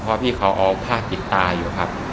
เพราะพี่เขาเอาผ้าปิดตาอยู่ครับ